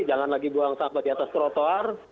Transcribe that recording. jangan lagi buang sampah di atas trotoar